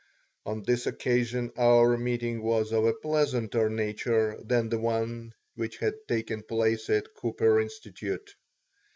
On this occasion our meeting was of a pleasanter nature than the one which had taken place at Cooper Institute.